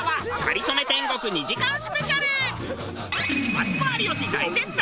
マツコ有吉大絶賛！